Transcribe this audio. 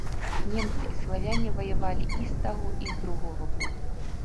Немцы і славяне ваявалі і з таго, і з другога боку.